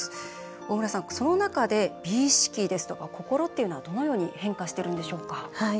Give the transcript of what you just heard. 大村さんその中で美意識ですとか心っていうのは、どのように変化してるんでしょうか？